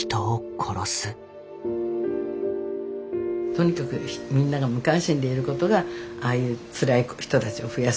とにかくみんなが無関心でいることがああいうつらい人たちを増やすんだと。